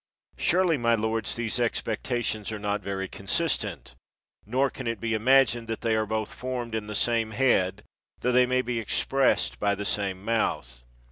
Surely, my lords, these expectations are not very consistent ; nor can it be imagined that they are both formed in the same head, tho they may be expressed by the same mouth.